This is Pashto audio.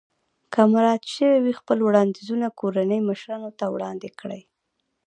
که مراعات شوي وي خپل وړاندیزونه کورنۍ مشرانو ته وړاندې کړئ.